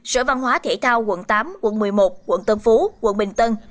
sở văn hóa thể thao quận tám quận một mươi một quận tân phú quận bình tân